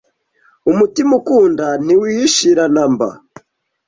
umutima ukunda ntwiwihishira namba